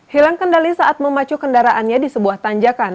hilang kendali saat memacu kendaraannya di sebuah tanjakan